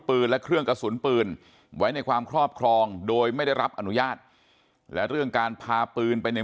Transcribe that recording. ปืนและเครื่องกระสุนปืนไว้ในความครอบครองโดยไม่ได้รับอนุญาตและเรื่องการพาปืนไปใน